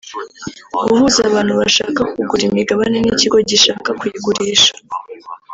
guhuza abantu bashaka kugura imigabane n’ikigo gishaka kuyigurisha